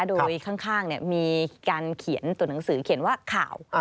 โดยข้างมีการเขียนตัวหนังสือเขียนว่าข่าว